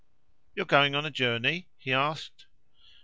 "You are going on a journey?" he asked.